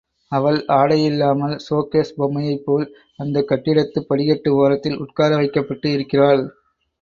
அவள் ஆடையில்லாமல் ஷோகேஸ் பொம்மையைப் போல் அந்தக் கட்டிடத்துப் படிக்கட்டு ஓரத்தில் உட்கார வைக்கப்பட்டு இருக்கிறாள்.